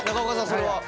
それは？